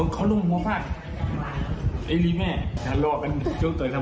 เขาร่มจริงครับเป็นวันเหตุจริง